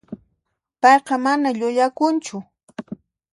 Payqa mana llullakunchu.